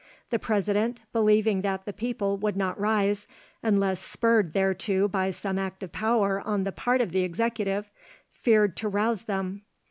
The President, believing that the people would not rise unless spurred thereto by some act of power on the part of the Executive, feared to rouse them.